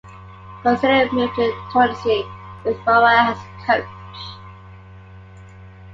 Couceiro moved to Torreense, with Ferreira as coach.